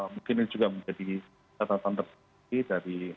mungkin juga menjadi catatan terlebih dari